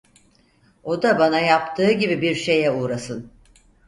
O da bana yaptığı gibi bir şeye uğrasın!